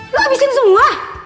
lo abisin semua